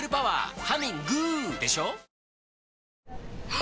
あ！